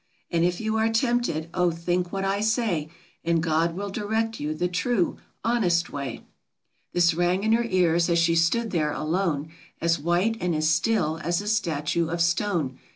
And if you are tempted, oh, think what I say, And God will direct you the true, honest wayY' Annie's temptation. 59 This rang in her ears as she stood there alone, As white and as still as a statue of stone.